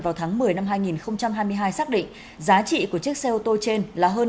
vào tháng một mươi năm hai nghìn hai mươi hai xác định giá trị của chiếc xe ô tô trên là hơn